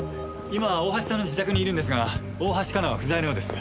今大橋さんの自宅にいるんですが大橋香菜は不在のようです。